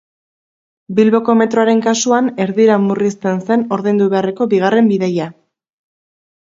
Bilboko metroaren kasuan erdira murrizten zen ordaindu beharreko bigarren bidaia.